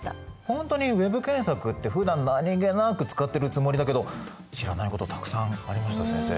ほんとにＷｅｂ検索ってふだん何気なく使ってるつもりだけど知らないことたくさんありました先生。